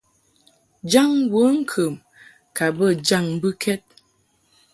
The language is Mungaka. Jaŋ wəŋkəm ka bə jaŋ mbɨkɛd.